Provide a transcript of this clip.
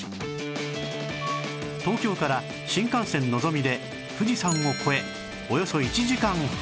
東京から新幹線のぞみで富士山を越えおよそ１時間半